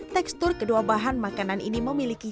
tekstur kedua bahan makanan ini memiliki